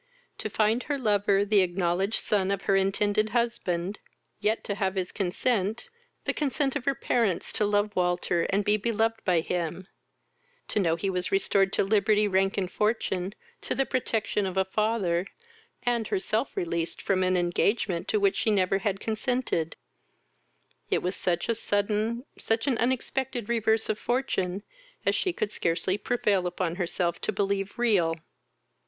To find her lover, the acknowledged son of her intended husband; yet to have his consent, the consent of her parents to love Walter, and be beloved by him, to know he was restored to liberty, rank, and fortune, to the protection of a father, and herself released from an engagement to which she never had consented, it was such a sudden, such an unexpected reverse of fortune, as she could scarcely prevail upon herself to believe real.